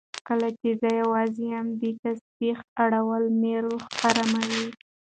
کله چې زه یوازې یم، د تسبېح اړول مې روح اراموي.